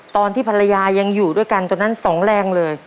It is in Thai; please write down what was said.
ตอนที่ภรรยายังอยู่ด้วยกันตอนนั้นสองแรงเลย